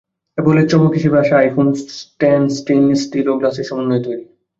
অ্যাপলের চমক হিসেবে আসা আইফোন টেন স্টেইনলেস স্টিল ও গ্লাসের সমন্বয়ে তৈরি।